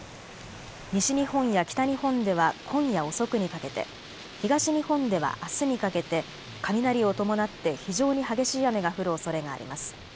西日本や北日本では今夜遅くにかけて、東日本ではあすにかけて雷を伴って非常に激しい雨が降るおそれがあります。